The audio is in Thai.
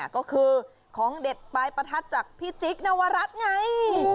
ก็คือของเด็ดปลายประทัดจากพี่จิ๊กนวรัฐไง